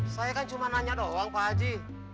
saya kan cuma nanya doang pak haji